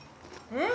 うん！